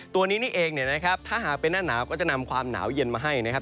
ตัวนี้นี่เองเนี่ยนะครับถ้าหากเป็นหน้าหนาวก็จะนำความหนาวเย็นมาให้นะครับ